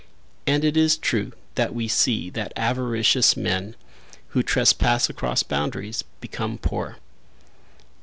And it is true that we see that avaricious men who trespass across boundaries become poor.